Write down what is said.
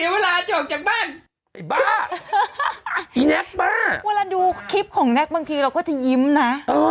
เวลาดูคลิปของเน็ตบางทีเราก็จะยิ้มนะ